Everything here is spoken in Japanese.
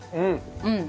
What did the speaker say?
うん。